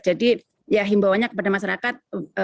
jadi ya himbauannya kepada masyarakat